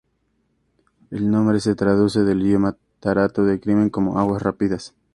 El nombre se traduce del idioma tártaro de Crimea como "aguas rápidas".